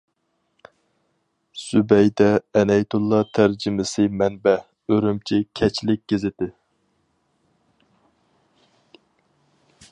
زۇبەيدە ئەنەيتۇللا تەرجىمىسى مەنبە: ئۈرۈمچى كەچلىك گېزىتى.